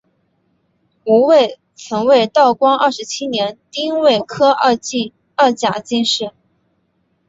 吴慰曾为道光二十七年丁未科二甲进士。